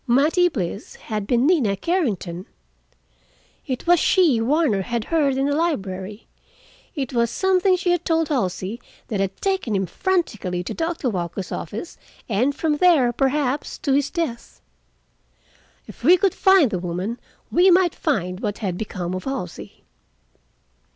Mattie Bliss had been Nina Carrington. It was she Warner had heard in the library. It was something she had told Halsey that had taken him frantically to Doctor Walker's office, and from there perhaps to his death. If we could find the woman, we might find what had become of Halsey.